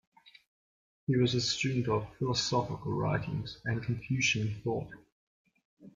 He was a student of philosophical writings and confucian thought.